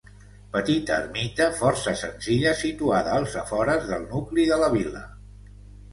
Petita ermita força senzilla situada als afores del nucli de la vila.